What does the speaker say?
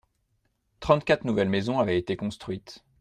Trente-quatre nouvelles maisons avaient été construites.